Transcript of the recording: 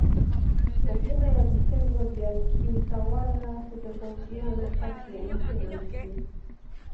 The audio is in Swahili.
Majina ya vitengo vya kiutawala hutofautiana kati ya nchi na nchi.